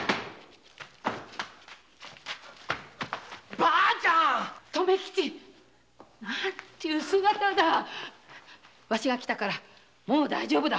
婆ちゃん留吉何という姿だワシが来たからもう大丈夫だ。